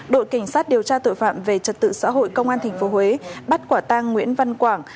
đội cảnh sát điều tra tội phạm về trật tự xã hội công an tp huế bắt quả tang nguyễn văn quảng